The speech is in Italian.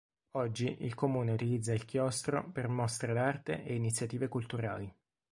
Oggi il Comune utilizza il chiostro per mostre d'arte e iniziative culturali.